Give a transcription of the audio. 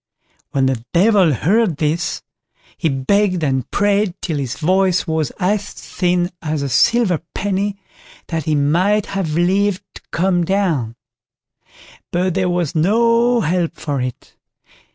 When the Devil heard this, he begged and prayed till his voice was as thin as a silver penny that he might have leave to come down; but there was no help for it.